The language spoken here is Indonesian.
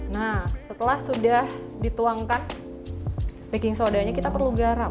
nah setelah sudah dituangkan baking sodanya kita perlu garam